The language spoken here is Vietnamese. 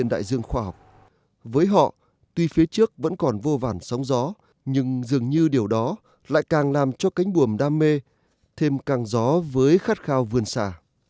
nhưng dường như điều đó lại càng làm cho cánh buồm đam mê thêm càng gió với khát khao vườn xà